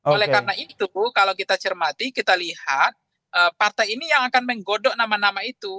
oleh karena itu kalau kita cermati kita lihat partai ini yang akan menggodok nama nama itu